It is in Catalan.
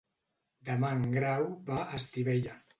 Demà en Grau va a Estivella.